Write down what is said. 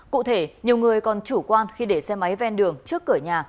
cụ thể nhiều người còn chủ quan khi để xe máy ven đường trước cửa nhà